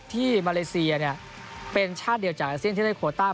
ที่มาเลเซียเนี่ยเป็นชาติเดียวจากอเซียนเทศโคต้า